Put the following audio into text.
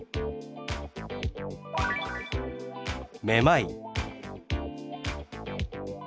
「めまい」。